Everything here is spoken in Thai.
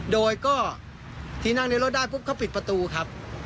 โดยก็ที่นั่งในรถได้ปุ๊บเขาปิดประตูครับ